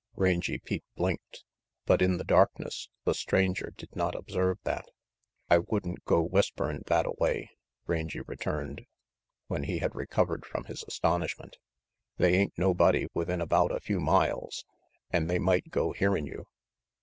Rangy Pete blinked, but in the darkness the stranger did not observe that. "I wouldn't go whisperin' thattaway," Rangy returned, when he had recovered from his astonish ment. "They ain't nobody within about a few miles, an' they might go hearin' you.